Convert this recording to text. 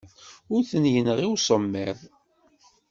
Ur t-yenɣi usemmiḍ.